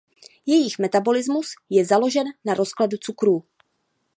Jejich metabolismus je založen na rozkladu cukrů.